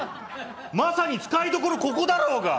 まさに使いどころここだろうが！